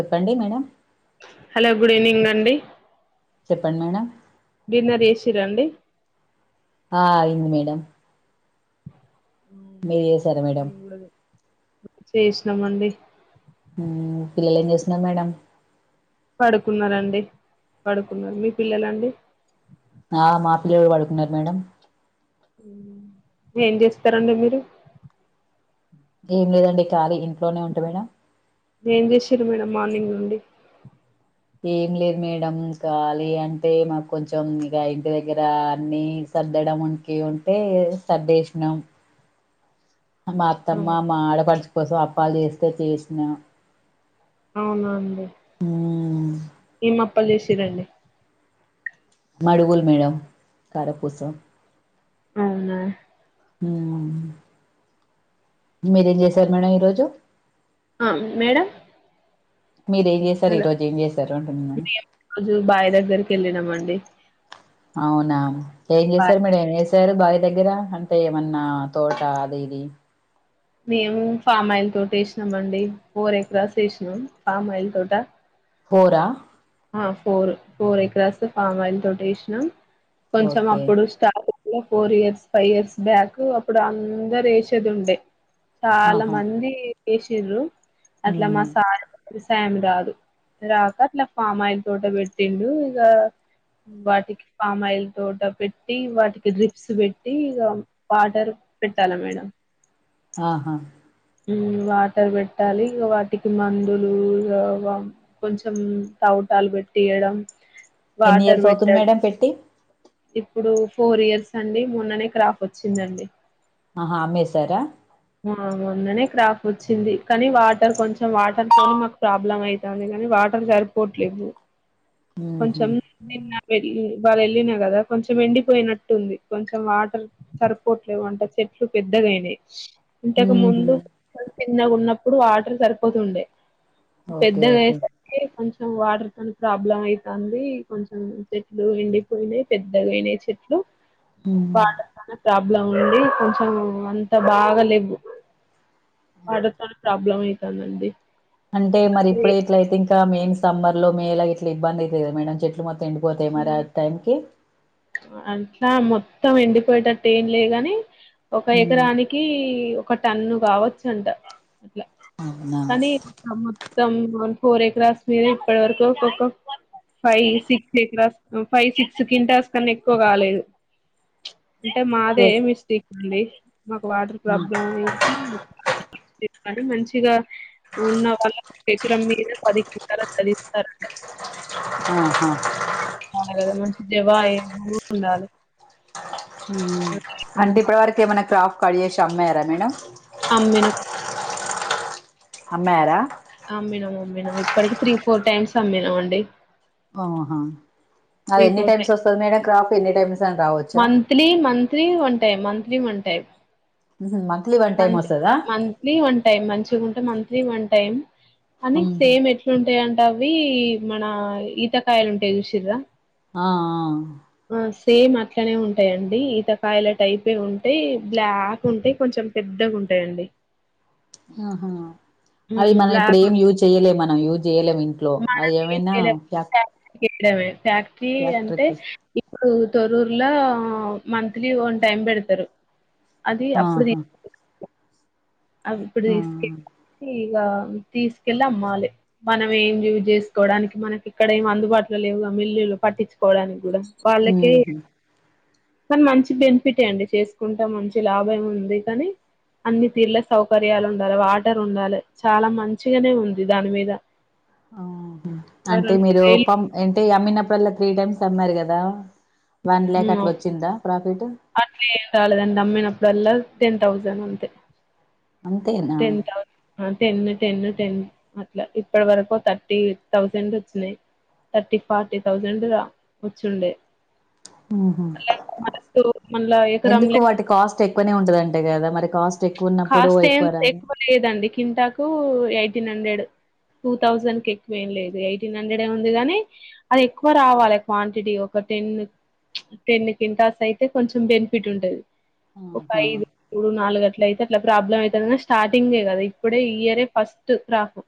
చెప్పండి madam hello good evening అండి చెప్పండి మేడం డిన్నర్ చేసింరా అండి ఆ అయింది మేడం మీరు చేసారా మేడం చేసినం అండి మ్ పిల్లల్ ఏం చేస్తున్నార్ మేడం పడుకున్నరండి పడుకున్నరు మీ పిల్లలండి ఆ మా పిల్లల్ గుడ పడుకున్నర్ మేడం ఏం చేస్తారండి మీరు ఏం లేదండి ఖాళీ ఇంట్లోనే ఉంట మేడం ఏం జేసింన్రు మేడం మార్నింగ్ నుండి ఏం లేదు మేడం కాలి అంటే మాక్ కొంచెం ఇగ ఇంటి దగ్గర అన్ని స పెట్టటంకీ ఉంటే సర్దేసినం మా అత్తమ్మ మా ఆడపడుచు కోసం అప్పాల్ చేస్తే చేసినా అవునా అండి మ్మ్. ఏం అప్పల్ చేసింరండి మడుగుల్ మేడం కారపూస అవునా మ్మ్. మీరేం చేశారు మేడం ఈరోజు ఆ మేడం మీరేం చేశారు హలో ఈరోజు ఏం చేశారు అంటున్నా మేడం మేం రోజు బాయ్ దగ్గర్కెళ్ళినమండి అవునా ఏం చేశారు మీడ ఏం చేసారు బావి దగ్గర అంటే ఏమన్నా తోట అది ఇది మేము ఫామ్ ఆయిల్ తోటేసినం అండి ఫోర్ ఎకరాస్ ఏసినం ఫామ్ ఆయిల్ తోట ఫోరా ఆ four four acres palm oil తోటేసినం కొంచెం ఓకే అప్పుడు స్టార్ట్ లో four years five years back అప్పుడ్ అందరు ఏసేదుండే చాలా ఆహా మంది ఏసిన్రు అట్ల మా హ్మ్ సార్ వ్యవసాయం రాదు రాక అట్లా ఫామ్ ఆయిల్ తోట పెట్టిండు ఇగ వాటికి ఫామ్ ఆయిల్ తోట పెట్టి వాటికి డ్రిప్స్ పెట్టి ఇగ వాటర్ పెట్టలె మేడం ఆహా మ్ వాటర్ పెట్టాలి ఇంకా వాటికి మందులు ఇ కొంచెం త వ్వుటాలు పెట్టియడం ఎన్ని వాటర్ ఇయర్స్ పెట్ట అవుతుంది మేడం పెట్టి ఇప్పుడు ఫోర్ ఇయర్స్ అండి మూన్ననే క్రాఫ్ వచ్చిందండి ఆహా అమ్మేశారా ఆ మొన్ననే క్రాప్ వచ్చింది కనీ వాటర్ కొంచెం వాటర్ పోని మాక్ ప్రాబ్లమ్ అయితాంది కని వాటర్ సరిపోవట్లేవ్వు ఊహూ కొంచెం నిన్న వెళ్ ఇవాళ ఎళ్ళిన కదా కొంచెం ఎండిపోయినట్టు ఉంది కొంచెం వాటర్ సరిపోట్లేవు అంటే చె సో పెద్దగయినయి ఇంతకు ఊహూ ముందు చిన్నగున్నప్పుడు వాటర్ సరిపోతుండే ఓకే పెద్దగయ్యే ఓకే సరికి కొంచెం వాటర్తోని ప్రాబ్లం అయితాంది కొంచెం చెట్లు ఎండిపోయినయి పెద్దగైనయి చెట్లు హ్మ్ వాటర్తోనే ప్రాబ్లం ఉండి కొంచెం అంతా బాగా లేవు వాటర్తోనే ప్రాబ్లం అయితాందండి అంటే మరి రే ఇప్పుడే ఇట్లయితే ఇంకా మెయిన్ సమ్మర్లో మేల గిట్లా ఇబ్బందయితద్ మేడం చెట్లు మొ అట్లా మొత్తం ఏండి పోయేటట్టు ఏం లేగాని ఒక హ్మ్ ఎకరానికి ఒక టన్ను కావచ్చు అంట అట్లా అవునా కానీమ్ మొత్తం ఫోర్ ఏ కరాస్ మీద ఇప్పటి వరకు ఒక్కొక్క five six acres five six కింటస్ కన్నా ఎక్కువ కాలేదు అంటే మాదే ఏ ఏమి ఇస్క్ అంది మాకు వాటర్ హ్మ్. ప్రాబ్లం ఏ తిప్పండి మంచిగా ఉన్న వాళ్ళ పకరం మీద పదికట్టాలని చదిస్తారు అ హా చాలదా మంచి దివాయ గూ ఉండాలి అంటే ఇప్పటి వరకు ఏమైన క్రాఫ్ట్ కడ్ జేసి అమ్మారా మేడం అమ్మినం అమ్మయార అమ్మినాం అమ్మినాం ఇప్పటికి త్రీ ఫోర్ టైమ్స్ అమ్మినాం అండి ఓహా అది త్రీ ఎన్ని ఫోర్ టైమ్స్ టైమ్ వస్తోంది మేడం క్రాఫ్ ఎన్ని టైమ్స్ అని రావచ్చా monthly monthly one time monthly one time monthly one time month వస్తదా మంత్లీ వన్ టైమ్ మంచిగుంటే మంత్ మంత్లీ వన్ టైం అని ఉహు సేమ్ ఎట్లుంటాయి అంటె అవి మన ఈతకాయలు ఉంటాయి చూసిండ్రా ఆ ఆ ఆ సేమ్ అట్లనే ఉంటాయి అండి. ఈతకాయల టైపే ఉంటాయి బ్లాక్ ఉంటాయి కొంచెం పెద్దగా ఉంటాయండి ఆహా అది మనం ఇప్పుడు బ్లాక్ ఏం యూజ్ చెయలే మనం యూజ్ చేయలేం ఇంట్లో అది ఏమైనా క్యాప్ యడమే ఫ్యాక్టరీ అంటే తొరూర్లో మంత్లీ వన్ టైం పెడతారు అది అప్పుడుది ఆహా అది ఇప్పుడు ఆ తీసుకెళ్ళి గ ఆ తీసుకెళ్లి అమ్మాలి మనం ఏం యూస్ చేసుకోవడానికి మనకి ఇక్కడ ఏమి అందుబాటులో లేవు గా మిల్లులు పట్టించుకోవడానికి కూడా వాళ్ళకె ఉహు కానీ మంచి బెనిఫిటే అండి. చేసుకుంటే మంచి లాభమే ఉంది కానీ, అన్ని తీర్ల సౌకర్యాలు ఉండాల వాటర్ ఉండాల చాలా మంచిగానే ఉంది దాని మీద ఆ హ్ ఓ అంటే రెండు మీరు వేలు పం అంటే అమ్మినప్పుడుల్లా త్రీ టైమ్స్ అమ్మారు కదా వన్ ల్యాక్ మ్ ఔ అట్లా వచ్చిందా ప్రాఫిట్ అట్లే ఏం రాలేద అండి అమ్మిన అప్పుడుల్లా టెన్ థౌసండ్ అంతే అంతేనా టెన్ థౌసండ్ అంతే అండి టెన్ టెన్ అట్లా ఇప్పటి వరకు థర్టీ థెౌసండ్ వచ్చిన్ థర్టీ ఫార్టీ థౌజండ్ గా వచ్చుండే మ్ హు మళ్ళా మనకు మళ్ళా ఎకరం ఎందుకు లె వాటి కాస్ట్ ఎక్కువనే ఉంటదంట కదా మరి కాస్ట్ ఎక్కువ ఉన్నప్పుడు కాస్ట్ ఏం రాదా ఎక్కువ లేదండి కింటకు ఎయిటీన్ హండ్రెడ్ టూ థౌజండ్ కి ఎక్కువ ఏం లేదె ఎయిటీన్ హండ్రెడ్ ఉంది గానీ అది ఎక్కువ రావాలి క్వాంటిటీ ఒక టెన్ చ్ టెన్ కింటాస్ అయితే కొంచెం బెనిఫిట్ ఉంటది ఒక ఆహా ఐదు మూడు నాలుగు గట్ల అయితే ఇట్లా ప్రాబ్లం అయితదనె స్టార్టింగే కదా ఇప్పుడే ఇయరే ఫస్ట్ క్రాపు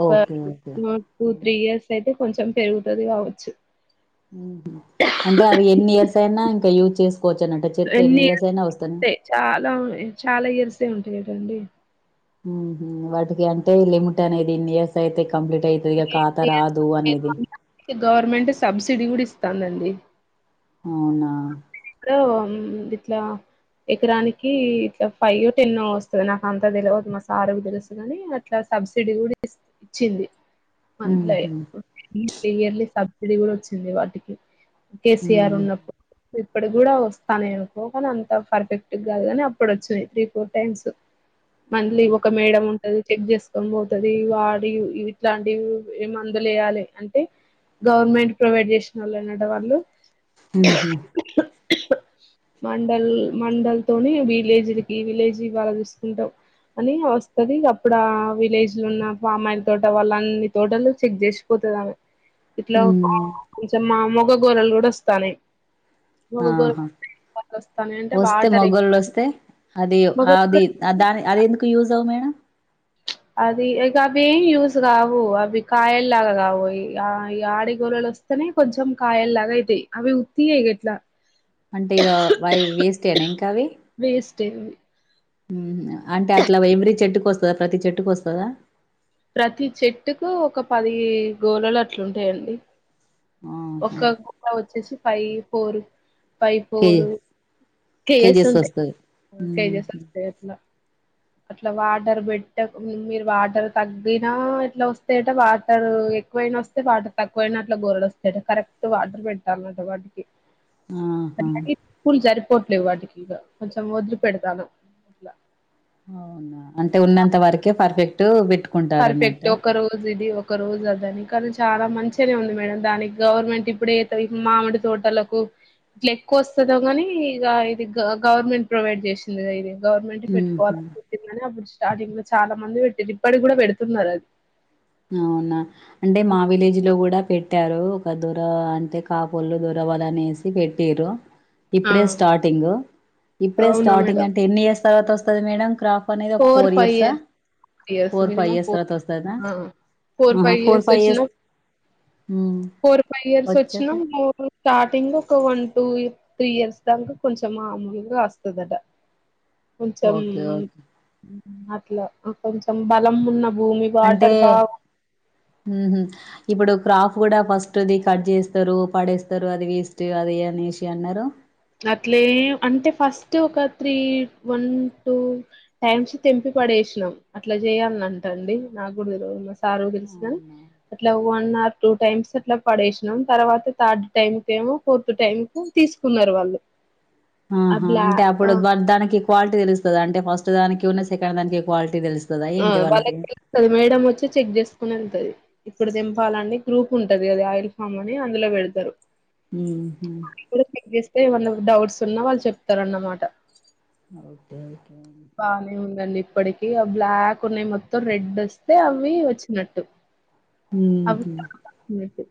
ఒక ఓకే ఓకే ఉ మ్ టూ ఉమ్. త్రీ ఇయర్స్ అయితే కొంచెం పెరుగుతది కావచ్చు ఉ హు అంటే అవి ఎన్ని ఇయర్స్ అయినా ఇంకా యూజ్ చేసు ఎన్ని ఇయర్స్ ఉంటే చాలా వునయ్ చాలా ఇయర్సె ఉంటాయటండి ఉ హు వాటికి అంటే లిమిట్ అనేది ఇన్ని ఇయర్స్ అయితే క కంప్లీట్ యితే ఇక ఖాతా రాదు అనేది గవర్నమెంట్ సబ్సిడీ గుడి ఇస్తాందండి అవునా ఓ మ్ ఇట్ల ఎకరానికి ఇట్లా ఫైవ్ టెన్నొ వస్తది నాకు అంతా తెలివదు మా సార్ వొళకి తెలుసు కాని అట్లా సబ్సిడీ కూడా ఇస్త్ ఇచ్చింది మంత్లే ఉహు ఇయర్లీ సబ్సిడీ కూడా వచ్చింది వాటికి కేసీఆర్ ఉన్నప్పుడు ఇప్పటిగి కూడా వస్తానై అనుకో గానీ అంత ఫర్ఫెక్ట్ కాదు గాని అప్పుడు వచ్చినయ్ త్రీ ఫోర్ టైమ్స్ మంత్లీ ఒక ఓకే మేడమ్ ఉంటది చెక్ చేసుకొని పోతది వాడి ఇవి ఇట్లాంటివి ఏ మందలె వేయాలి అంటే గవర్నమెంట్ ప్రొవైడ్ చేసినోళ్లే నట వాళ్ళు మ్ హు [unintelligible] మండల్ మండల్ తొని విలేజీలకి విలేజ్వి అలా తీసుకుంటాం అని వస్తది అప్పుడ ఆ విలేజ్ లో ఉన్న ఫమాయిల తోట వాళ్ళన్ని తోటలు చెక్ చేసిపో తది ఆమె ఇట్లా కొంచెం మా మొగ గొర్రెలు కూడా వస్తానయీ మగ గొర్రెలు ఆహా వస్తే మగోలు వస్తే అది అది దాని అది మగ ఎందుకు యూజ్ అవ్ మేడం అది ఇక అవేం యూస్ కావు అవి కాయల లాగా కావు ఆడగొర్రెలు వస్తే స్తనే కొంచెం కాయల లాగా అయితాయి అవి ఉత్తిగే ఇట్ల అంటే ఇక వాయ్ వేస్ట్ఎనా ఇంకా అవి తె అవి ఉమ్ అంటే అట్లా ఎవిరి చెట్టుకు వస్తాదా ప్రతి చెట్టుకు వస్తాదా ప్రతి చెట్టుకు ఒక పది గోళలు అట్లుంటాయండి ఆహా ఒక గోరె వచ్చేసి five four five KG four kgs kgs ఉంటాయి వస్తది కేజెస్ ఉహు వస్తాయి అట్లా అట్ల వాటర్ పెటక్ మీరు వాటర్ తగ్గినా ఇట్లా వస్తయట వాటర్ ఎక్కువైనా వస్తే వాటర్ తక్కువయినా అట్లె గోరెలు వస్తాట కరెక్ట్ వాటర్ పెట్టాలంట వాటికి ఆహా [unintelligible] జరి కొట్లే వాటికి ఇగ కొంచెం వదిలి పెడతానం ఇగ అవునా అంటే ఉన్నంత వరకే ఫర్ఫెక్ట్ పర్ఫెక్ట్ ఒక రోజు ఇది ఒక ఒక రోజు అదని కానీ చాలా మంచిగనే ఉంది మేడం దానికి గవర్నమెంట్ ఇప్పుడే ఏతాది మామిడి తోటలకు ఇట్ల ఎక్కువ వస్తాధేమో కానీ ఇగ ఇది గవర్నమెంట్ ప్రొవైడ్ చేసింది గ ఇది గవర్నమెంట్ ఉహు పెట్టుకోవాలనుకుంటుంది అని అప్పుడు స్టార్టింగ్ లో చాలా మంది పెటిండ్రు ఇప్పటి గి కూడా పెడుతున్నారు అది అవునా అంటే మా విలేజ్ లో కూడా పె పెట్టారు ఒక దొర అంటే కాపోలు దొర వాలనేసి పెట్టిరు ఆ ఇప్పుడే స్టార్టింగ్ ఇప్పుడే అవునా స్టార్టింగ్ మేడం అంటే ఎన్ని ఇయర్స్ తర్వాత వస్తది మేడం క్రాప్ పనేది ఒక ఫోర్ ఫైవ్ ఇయర్సా years years four five minimum years four తర్వాత వస్తాదా ఆహా ఫోర్ ఫైవ్ ఇయర్స్ మ్మ్ ఫోర్ ఫైవ్ ఇయర్స్ వచ్చినా వచ్చాక మా ఊర్లో స్టార్టింగ్ ఒక వన్ టూ త్రీ ఇయర్స్ దాంకా కొంచెం మామూలుగా వస్తదట కొంచెం ఓకే ఓకే అట్లా కొంచెం బలం ఉన్నప్ అంటే ఉమ్ ఊహం ఇప్పుడు క్రాఫ్ కూడా ఫస్టు ది కట్ చేస్తరు పడేస్తారు అది వేస్ట్ అది అనేసి అన్నారు అట్లే అంటే ఫస్ట్ ఒక త్రీ వన్ టూ టైమ్స్ తెంపి పడేసినాం అట్లా చేయాలనంట అండి నాకు కూడా తెల్వదు మా సార్ సార్ కు తెలుసుగా అవునా అట్ల వన్ ఆర్ టూ టైమ్స్ అట్ల పడేసినాం తర్వాత థర్డ్ టైమ్ కు ఏమో ఫోర్త్ టైమ్ కు తీసుకున్నారు వాళ్ళు [inaudible] ఆ ఆహా బ్లా అంటే ఆ అప్పుడువ దానికి క్వాలిటీ తెలుస్తుంది అంటే ఫస్ట్ దానికి ఉన్నా సెకండ్ దానికి క్వాలిటీ తెలుస్ ఇమ్ వాళ్ళకి తెలుస్తాది మెడం వచ్చి చెక్ ఇప్పుడు దింపాలని గ్రూప్ ఉంటది కదా ఆయిల్ ఫామ్ అని అందులో పెడతారు ఇమ్ కూడా చెక్ చేస్తే ఏమన్నా డౌట్స్ ఉన్నా వాళ్ళు చెప్తారన్న అన్నమాట ఓకే ఓకే ఉందండి ఇప్పటికి ఆవి బ్లాక్ ఉన్నాయి మొత్తం రెడ్ వస్తే అవి వచ్చినట్టు అవి మ్మ్హ్ [unintelligible] నటు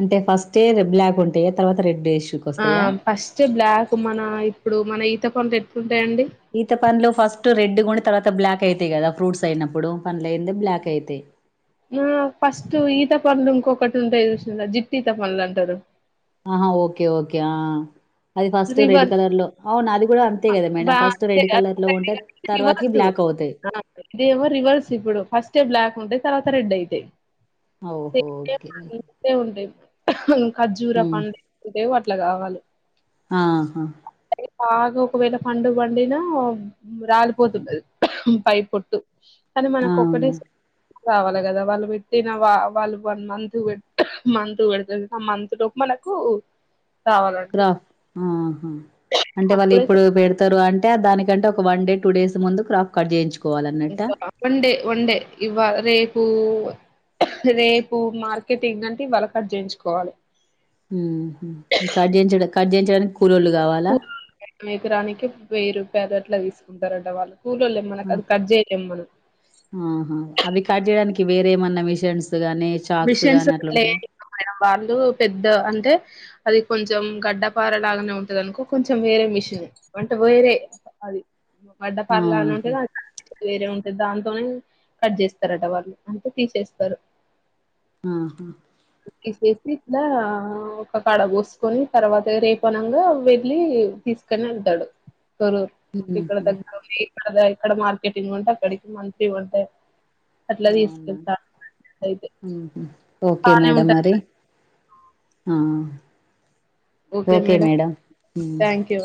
అంటే ఫస్ట్ ఎ బ్లాక్ ఉంటాయా తర్వాత రెడ్ ఎసనా ఆ ఫస్ట్ బ్లాక్ మన ఇప్పుడు మన ఈత పండ్లు ఎట్ల ఈత పండ్లు ఫస్ట్ రెడ్ గు తర్వాత బ్లాక్ అయితాయి కదా ఫ్రూట్స్ అయినడు పండ్లు అయింది బ్లాక్ అయితాయి ఆ ఫస్ట్ ఈత పండ్లు ఇంకొకటి ఉంటాయి చూసినారా జిట్టు ఈత పండ్లు అంటారు ఆహా ఓకే ఓకే ఆ అది ఫస్ట్ రెడ్ రివర్స్ కలర్ లో అవునా అది కూడా అంతే అ కదా బా మేడం ఫస్ట్ అంతే రెడ్ కలర్ లో ఉంటే అదొకటి తర్వాతకి రివర్స్ బ్లాక్ అవుతాది ఆ ఇదేమో రివర్స్ ఇప్పుడు ఫస్ట్ే బ్లాక్ ఉంటాయి తర్వాత రెడ్ అయితాయి ఓహో! ఓకే. స ఉన్నాయి ఖర్జూర పండ్లు ఉంటే అట్లా కావాలి ఆాహా అది బాగా ఒకవేళ పండుగ పండినా రాలిపోతుంది అది పై పొట్టు కానీ మనకు ఒకక్కటిే అవునా! రావాలి కదా వాళ్ళు పెట్టిన వా వాళ్ళు వన్ మంద్ మతు పెడుతు ఆ మంత్ లోపు మనకు రావాలండి క్రాఫ్ ఆహా అంటే వాళ్ళు అప్పుడే ఇప్పుడు పెత ారు అంటే దనికంటే ఒక వన్ డే టూ డేస్ ముందు క్రాప్ కాట్ చేయోచు ఉండే ఉండే ఇవా రేపు పు రేపు మార్కెటింగ్ అంటే ఇవాళ కట్ చేయించుకోవాలి కడ్జంచడం కడ్ చేయించడానికి కూలొల్లు కావాలా ఎగరానికి వెయ్యి రూపాయలు అట్లా తీసుకుంటారట వాళ్ళు కూకూల్ళ్ళలే మన‌ం ఆ! అది కట్ చేయలేం మనం వేరేమన్నా విషన్స్ మిషన్స్ లేని మేడం వాళ్ళు పెద్ద అంటే అది కొంచెం గడ్డపార లాగానే ఉంటది అనుకో కొంచెం వేరే మిషన్ అంటే వేరే అది వడ్డ పరాలనే ఉంటే ఆహా! న వేరే ఉంటే దాంతోనే కట్ చేస్తారట వాళ్ళు అంటే తీసేస్తారు ఆహా తీసేసి ఇట్లా ఒక కడ పోసుకొని తర్వాత రేపనగా వెళ్ళి తీసుకని వెళ్తాడురు తూరు ఇక్కడ హుహు. దగ్గర ఇక్క ఇక్కడ మార్కెటింగ్ ఉంటా అక్కడికి మంత్లీ ఉంటే అట్లా అవునా తీసుకుంటా అయితే ఓకే బానే మేడం ఉంటది మరి ఆ ఓకే మేడం థ్యాంక్ యూ